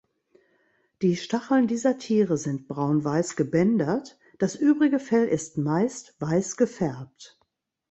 Die Stacheln dieser Tiere sind braun-weiß gebändert, das übrige Fell ist meist weiß gefärbt.